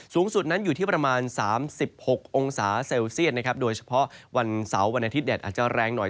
สูงสุดนั้นอยู่ที่ประมาณ๓๖องศาเซลเซียตนะครับโดยเฉพาะวันเสาร์วันอาทิตยแดดอาจจะแรงหน่อย